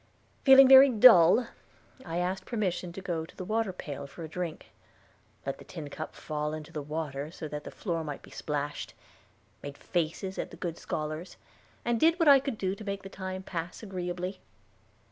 Feeling very dull, I asked permission to go to the water pail for a drink; let the tin cup fall into the water so that the floor might be splashed; made faces at the good scholars, and did what I could to make the time pass agreeably.